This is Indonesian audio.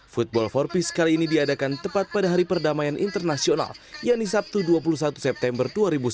football for peace kali ini diadakan tepat pada hari perdamaian internasional yakni sabtu dua puluh satu september dua ribu sembilan belas